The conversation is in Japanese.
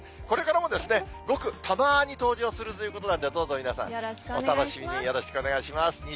これからもごくたまに登場するということなんでどうぞ皆さんお楽しみによろしくお願いします。